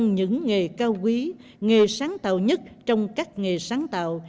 những nghề cao quý nghề sáng tạo nhất trong các nghề sáng tạo